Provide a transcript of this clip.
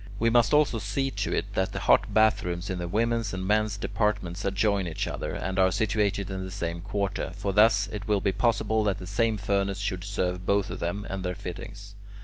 We must also see to it that the hot bath rooms in the women's and men's departments adjoin each other, and are situated in the same quarter; for thus it will be possible that the same furnace should serve both of them and their fittings.